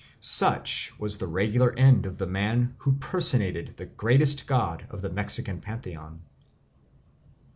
Such was the regular end of the man who personated the greatest god of the Mexican pantheon.